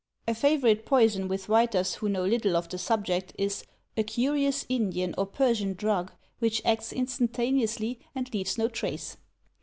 A favorite poison with writers who know little of the sub ject, is "a curious Indian or Persian drug, which acts instan taneously and leaves no trace."